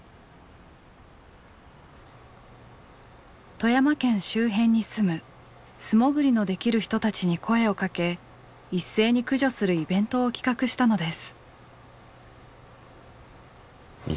富山県周辺に住む素潜りのできる人たちに声をかけ一斉に駆除するイベントを企画したのです。